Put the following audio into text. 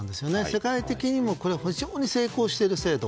世界的にも非常に成功している制度。